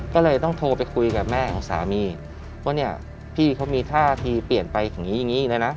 ก็เลยต้องโทรไปคุยกับแม่ของสามีว่าพี่มีท่าที่เปลี่ยนไปอย่างนี้อีกแล้วนะ